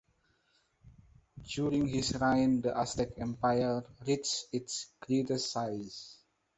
During his reign the Aztec Empire reached its greatest size.